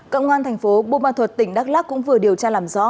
cộng quan thành phố bô ma thuật tỉnh đắk lắc cũng vừa điều tra làm rõ